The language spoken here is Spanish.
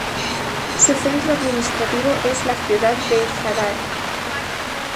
Su centro administrativo es la ciudad de Zadar.